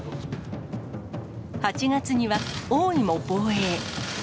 ８月には王位も防衛。